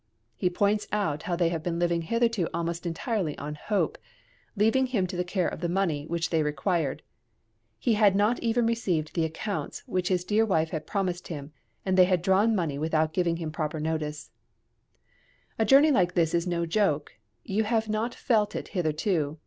He points out how they have been living hitherto almost entirely on hope, leaving to him the care of the money which they required; he had not even received the accounts which his dear wife had promised him, and they had drawn money without giving him proper notice: A journey like this is no joke: you have not felt it hitherto.